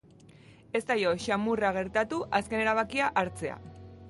Ez zaio samurra gertatu azken erabakia hartzea.